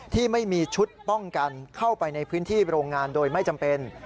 ที่ไม่มีชุดป้องกันเข้าไปในพื้นที่โรงงานโดยไม่จำเป็น